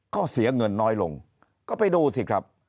ก็เสียเงินน้อยลงก็ไปดูสิครับ